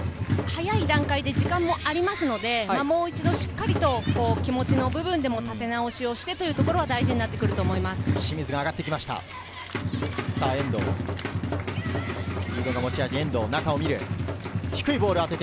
時間もありますので、もう一度しっかりと気持ちの部分で立て直しをしてというのが大事になってきます。